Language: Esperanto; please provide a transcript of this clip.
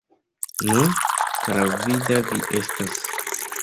Nu, klarvida vi estas!